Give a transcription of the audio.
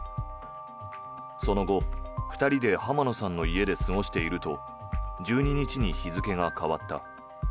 その後、２人で浜野さんの家で過ごしていると１２日に日付が変わった。